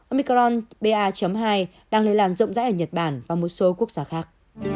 omicron ba hai đang lây lan rộng rãi ở nhật bản và một số quốc gia khác